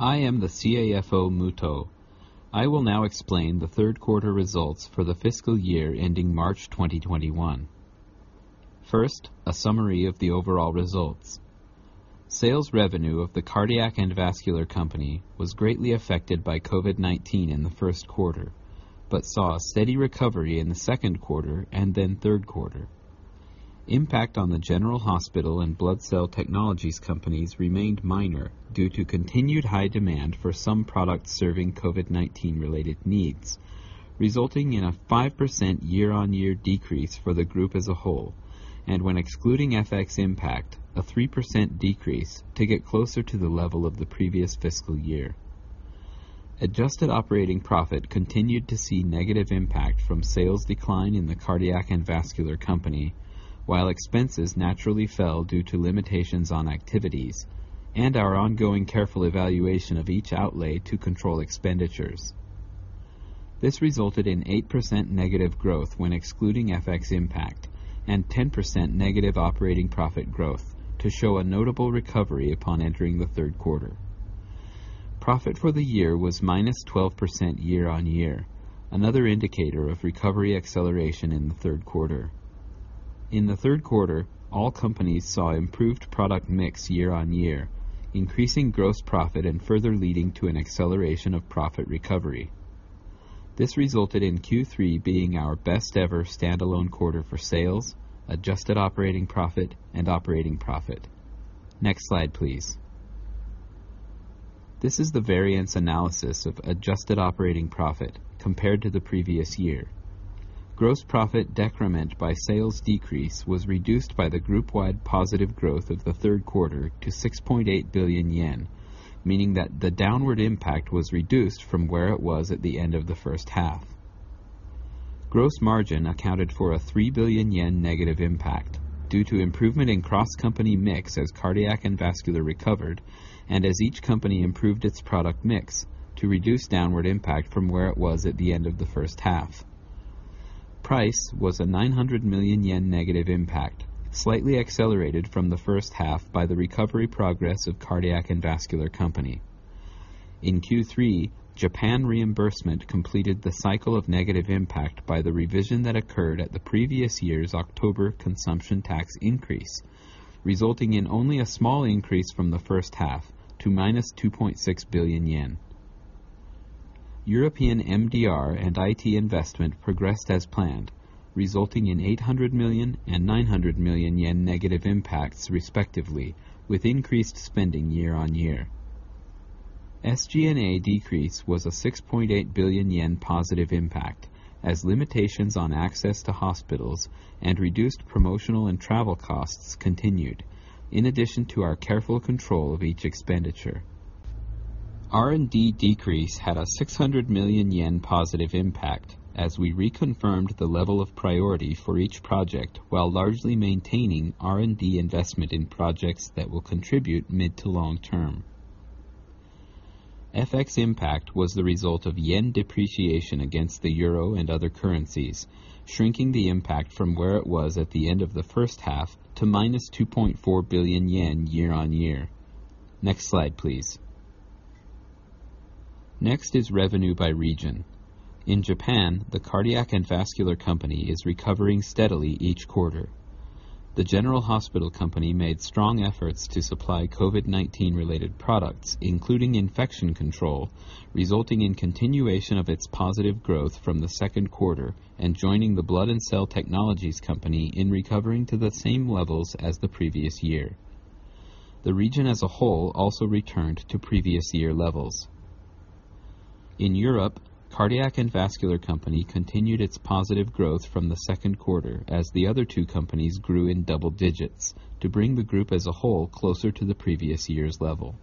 I am the CFO, Muto. I will now explain the third quarter results for the fiscal year ending March 2021. First, a summary of the overall results. Sales revenue of the Cardiac and Vascular Company was greatly affected by COVID-19 in the first quarter but saw a steady recovery in the second quarter and then third quarter. Impact on the General Hospital and Blood and Cell Technologies companies remained minor due to continued high demand for some products serving COVID-19 related needs, resulting in a 5% year-on-year decrease for the group as a whole. When excluding FX impact, a 3% decrease to get closer to the level of the previous fiscal year. Adjusted operating profit continued to see negative impact from sales decline in the Cardiac and Vascular Company, while expenses naturally fell due to limitations on activities and our ongoing careful evaluation of each outlay to control expenditures. This resulted in 8% negative growth when excluding FX impact and 10% negative operating profit growth to show a notable recovery upon entering the third quarter. Profit for the year was -12% year-on-year, another indicator of recovery acceleration in the third quarter. In the third quarter, all companies saw improved product mix year-on-year, increasing gross profit and further leading to an acceleration of profit recovery. This resulted in Q3 being our best-ever standalone quarter for sales, adjusted operating profit, and operating profit. Next slide, please. This is the variance analysis of adjusted operating profit compared to the previous year. Gross profit decrement by sales decrease was reduced by the group-wide positive growth of the third quarter to 6.8 billion yen, meaning that the downward impact was reduced from where it was at the end of the first half. Gross margin accounted for a 3 billion yen negative impact due to improvement in cross-company mix as Cardiac and Vascular recovered and as each company improved its product mix to reduce downward impact from where it was at the end of the first half. Price was a 900 million yen negative impact, slightly accelerated from the first half by the recovery progress of Cardiac and Vascular Company. In Q3, Japan reimbursement completed the cycle of negative impact by the revision that occurred at the previous year's October consumption tax increase, resulting in only a small increase from the first half to -2.6 billion yen. European MDR and IT investment progressed as planned, resulting in 800 million and 900 million yen negative impacts, respectively, with increased spending year-on-year. SG&A decrease was a 6.8 billion yen positive impact as limitations on access to hospitals and reduced promotional and travel costs continued, in addition to our careful control of each expenditure. R&D decrease had a 600 million yen positive impact as we reconfirmed the level of priority for each project while largely maintaining R&D investment in projects that will contribute mid to long term. FX impact was the result of yen depreciation against the euro and other currencies, shrinking the impact from where it was at the end of the first half to -2.4 billion yen year-on-year. Next slide, please. Next is revenue by region. In Japan, the Cardiac and Vascular Company is recovering steadily each quarter. The General Hospital Company made strong efforts to supply COVID-19-related products, including infection control, resulting in continuation of its positive growth from the second quarter and joining the Blood and Cell Technologies Company in recovering to the same levels as the previous year. The region as a whole also returned to previous year levels. In Europe, Cardiac and Vascular Company continued its positive growth from the second quarter as the other two companies grew in double digits to bring the group as a whole closer to the previous year's level.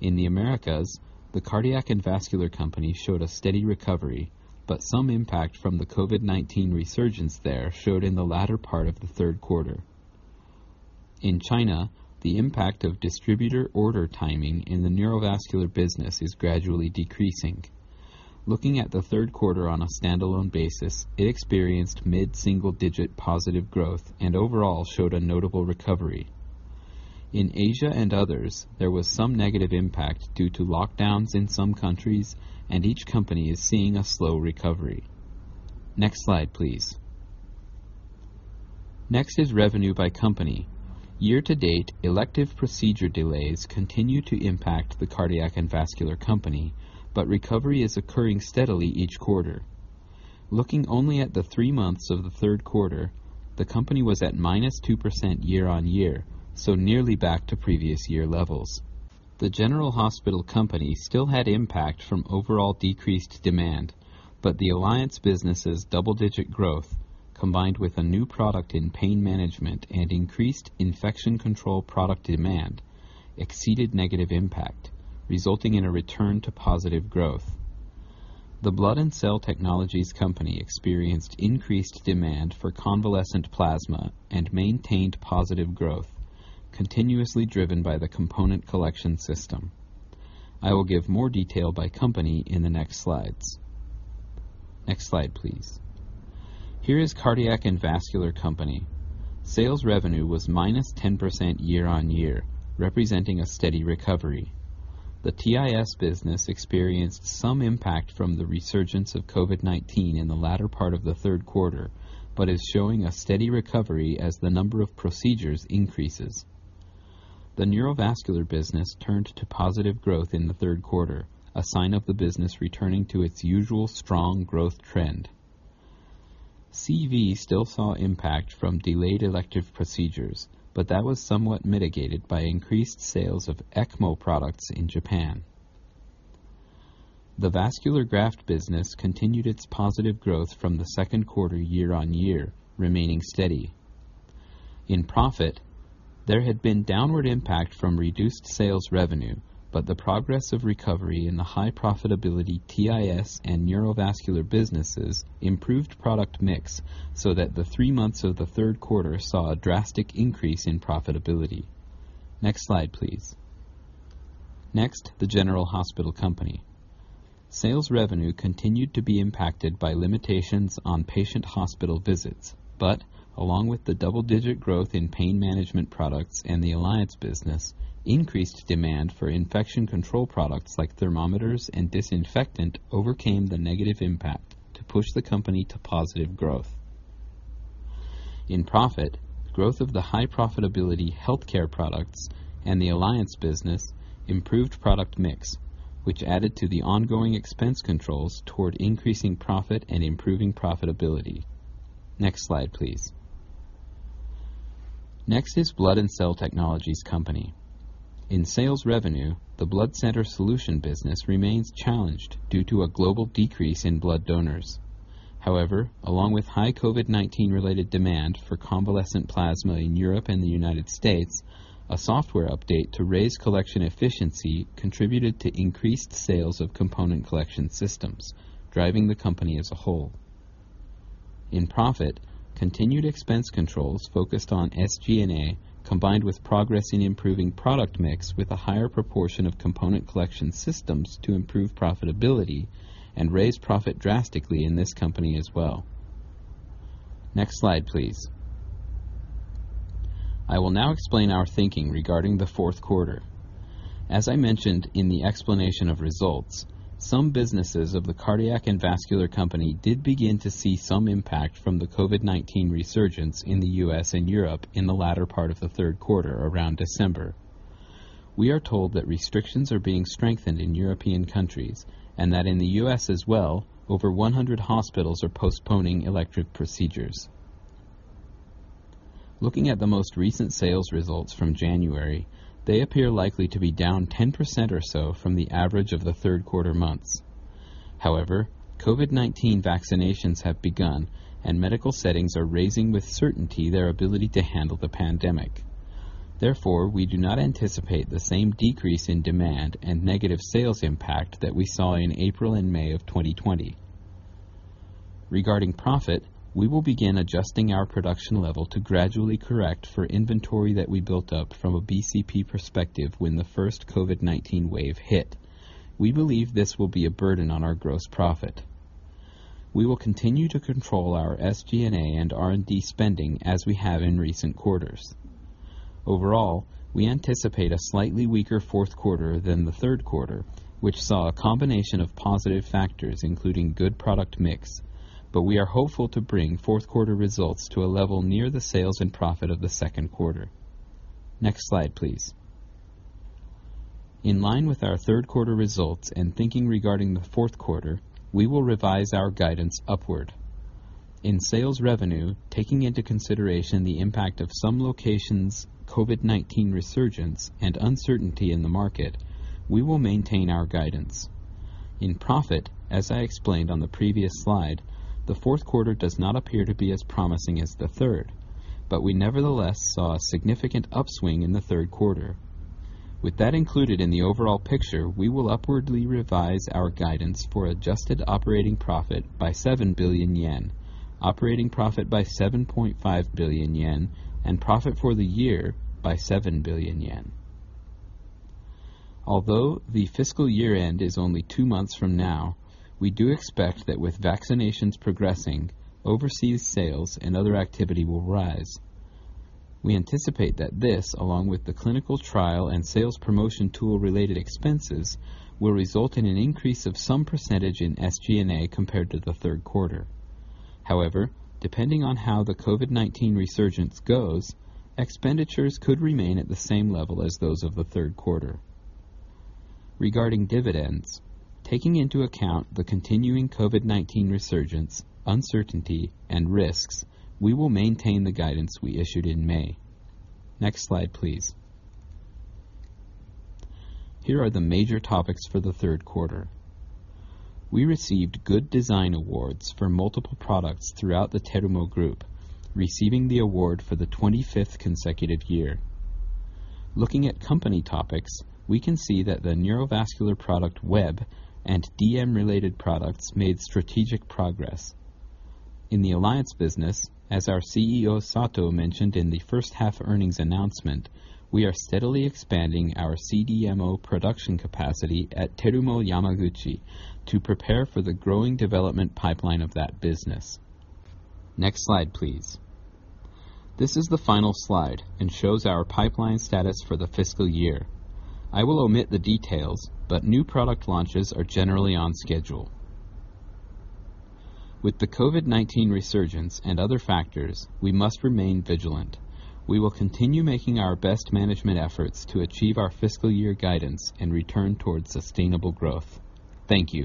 In the Americas, the Cardiac and Vascular Company showed a steady recovery, but some impact from the COVID-19 resurgence there showed in the latter part of the third quarter. In China, the impact of distributor order timing in the neurovascular business is gradually decreasing. Looking at the third quarter on a standalone basis, it experienced mid-single-digit positive growth and overall showed a notable recovery. In Asia and others, there was some negative impact due to lockdowns in some countries. Each company is seeing a slow recovery. Next slide, please. Next is revenue by company. Year-to-date, elective procedure delays continue to impact the Cardiac and Vascular Company. Recovery is occurring steadily each quarter. Looking only at the three months of the third quarter, the company was at -2% year-on-year, nearly back to previous year levels. The General Hospital Company still had impact from overall decreased demand. The alliance business' double-digit growth, combined with a new product in pain management and increased infection control product demand, exceeded negative impact, resulting in a return to positive growth. The Blood and Cell Technologies Company experienced increased demand for convalescent plasma and maintained positive growth, continuously driven by the component collection system. I will give more detail by company in the next slides. Next slide, please. Here is Cardiac and Vascular Company. Sales revenue was minus 10% year-on-year, representing a steady recovery. The TIS business experienced some impact from the resurgence of COVID-19 in the latter part of the third quarter, but is showing a steady recovery as the number of procedures increases. The neurovascular business turned to positive growth in the third quarter, a sign of the business returning to its usual strong growth trend. CV still saw impact from delayed elective procedures, but that was somewhat mitigated by increased sales of ECMO products in Japan. The vascular graft business continued its positive growth from the second quarter year-on-year, remaining steady. In profit, there had been downward impact from reduced sales revenue, but the progress of recovery in the high profitability TIS and neurovascular businesses improved product mix so that the three months of the third quarter saw a drastic increase in profitability. Next slide, please. Next, the General Hospital Company. Sales revenue continued to be impacted by limitations on patient hospital visits, but along with the double-digit growth in pain management products and the alliance business, increased demand for infection control products like thermometers and disinfectant overcame the negative impact to push the company to positive growth. In profit, growth of the high profitability healthcare products and the alliance business improved product mix, which added to the ongoing expense controls toward increasing profit and improving profitability. Next slide, please. Next is Blood and Cell Technologies Company. In sales revenue, the blood center solution business remains challenged due to a global decrease in blood donors. However, along with high COVID-19 related demand for convalescent plasma in Europe and the United States, a software update to raise collection efficiency contributed to increased sales of component collection systems, driving the company as a whole. In profit, continued expense controls focused on SG&A, combined with progress in improving product mix with a higher proportion of component collection systems to improve profitability and raise profit drastically in this company as well. Next slide, please. I will now explain our thinking regarding the fourth quarter. As I mentioned in the explanation of results, some businesses of the Cardiac and Vascular Company did begin to see some impact from the COVID-19 resurgence in the U.S. and Europe in the latter part of the third quarter around December. We are told that restrictions are being strengthened in European countries, that in the U.S. as well, over 100 hospitals are postponing elective procedures. Looking at the most recent sales results from January, they appear likely to be down 10% or so from the average of the third quarter months. COVID-19 vaccinations have begun, and medical settings are raising with certainty their ability to handle the pandemic. We do not anticipate the same decrease in demand and negative sales impact that we saw in April and May of 2020. Regarding profit, we will begin adjusting our production level to gradually correct for inventory that we built up from a BCP perspective when the first COVID-19 wave hit. We believe this will be a burden on our gross profit. We will continue to control our SG&A and R&D spending as we have in recent quarters. Overall, we anticipate a slightly weaker fourth quarter than the third quarter, which saw a combination of positive factors including good product mix, but we are hopeful to bring fourth quarter results to a level near the sales and profit of the second quarter. Next slide, please. In line with our third quarter results and thinking regarding the fourth quarter, we will revise our guidance upward. In sales revenue, taking into consideration the impact of some locations' COVID-19 resurgence and uncertainty in the market, we will maintain our guidance. As I explained on the previous slide, the fourth quarter does not appear to be as promising as the third, but we nevertheless saw a significant upswing in the third quarter. With that included in the overall picture, we will upwardly revise our guidance for adjusted operating profit by 7 billion yen, operating profit by 7.5 billion yen, and profit for the year by 7 billion yen. Although the fiscal year-end is only two months from now, we do expect that with vaccinations progressing, overseas sales and other activity will rise. We anticipate that this, along with the clinical trial and sales promotion tool related expenses, will result in an increase of some percentage in SG&A compared to the third quarter. However, depending on how the COVID-19 resurgence goes, expenditures could remain at the same level as those of the third quarter. Regarding dividends, taking into account the continuing COVID-19 resurgence, uncertainty, and risks, we will maintain the guidance we issued in May. Next slide, please. Here are the major topics for the third quarter. We received good design awards for multiple products throughout the Terumo Group, receiving the award for the 25th consecutive year. Looking at company topics, we can see that the neurovascular product WEB and DM-related products made strategic progress. In the alliance business, as our CEO Sato mentioned in the first half earnings announcement, we are steadily expanding our CDMO production capacity at Terumo Yamaguchi to prepare for the growing development pipeline of that business. Next slide, please. This is the final slide and shows our pipeline status for the fiscal year. I will omit the details, but new product launches are generally on schedule. With the COVID-19 resurgence and other factors, we must remain vigilant. We will continue making our best management efforts to achieve our fiscal year guidance and return towards sustainable growth. Thank you.